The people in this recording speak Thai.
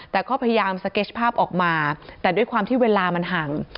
แต่ก็พยายามสเก็สภาพออกมาแต่ด้วยความที่เวลามันห่าง